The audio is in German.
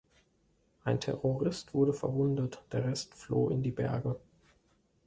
Ein Terrorist wurde verwundet, der Rest floh in die Berge.